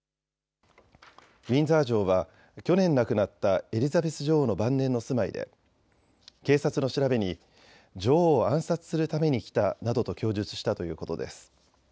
ウィンザー城は去年亡くなったエリザベス女王の晩年の住まいで警察の調べに女王を暗殺するために来たなどと供述したということです。